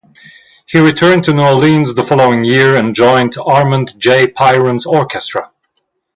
He returned to New Orleans the following year and joined Armand J. Piron's Orchestra.